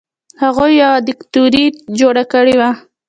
هغوی یوه دیکتاتوري جوړه کړې وه.